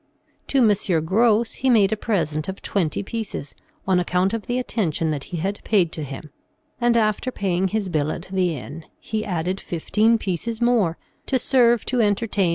To M. Gros he made a present of twenty pieces on account of the attention that he had paid to him and after paying his bill at the inn, he added fifteen pieces more, to serve to entertain M.